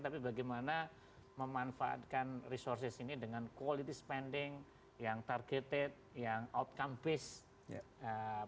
tapi bagaimana memanfaatkan resources ini dengan quality spending yang targeted yang outcome based